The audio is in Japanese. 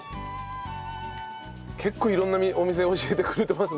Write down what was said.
結構色んなお店教えてくれてます